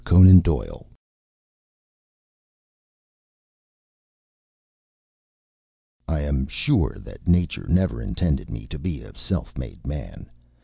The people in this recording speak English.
Conan Doyle I am sure that Nature never intended me to be a self made man.